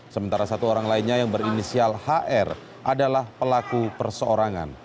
sementara satu orang lainnya yang berinisial hr adalah pelaku perseorangan